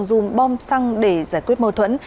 dùng bom xăng để giải quyết mâu thuẫn